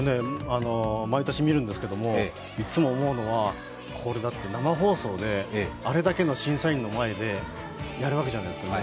毎年見るんですけど、いつも思うのは、これ、だって生放送で、あれだけの審査員の前で皆さんやるわけじゃないですか。